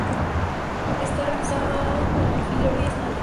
Está realizado con marfil, oro y esmalte.